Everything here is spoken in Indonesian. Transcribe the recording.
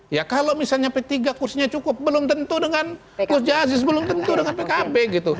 ya kalau misalnya p tiga kursinya cukup belum tentu dengan gus jasis belum tentu dengan pkb gitu